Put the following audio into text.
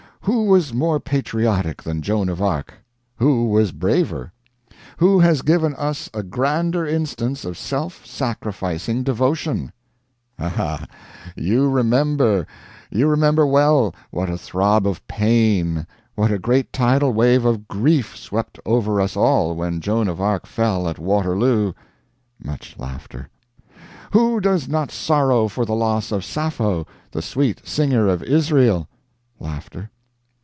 Who was more patriotic than Joan of Arc? Who was braver? Who has given us a grander instance of self sacrificing devotion? Ah! you remember, you remember well, what a throb of pain, what a great tidal wave of grief swept over us all when Joan of Arc fell at Waterloo. [Much laughter.] Who does not sorrow for the loss of Sappho, the sweet singer of Israel? [Laughter.